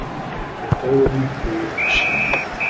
leta y'ubumwe ikwiriye gushimirwa